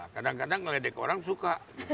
kadang kadang ngeledek orang suka